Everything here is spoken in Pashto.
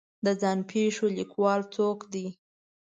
د ځان پېښو لیکوال څوک دی